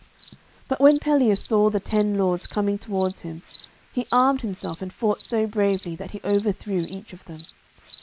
But when Pelleas saw the ten lords coming towards him, he armed himself, and fought so bravely that he overthrew each of them.